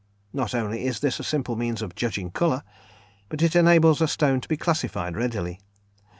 Not only is this a simple means of judging colour, but it enables a stone to be classified readily.